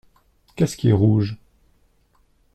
Qu’est-ce qui est rouge ?